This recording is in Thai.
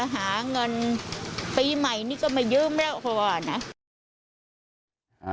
หาเงินปีใหม่ก็มายืมแล้วคนน่ะ